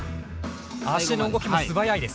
足の動きも素早いです。